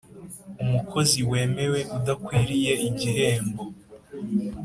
umukozik wemewe l udakwiriye igihembo